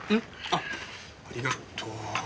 あっありがとう。